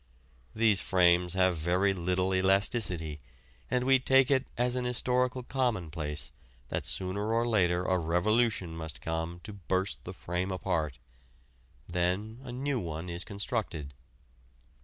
These frames have very little elasticity, and we take it as an historical commonplace that sooner or later a revolution must come to burst the frame apart. Then a new one is constructed.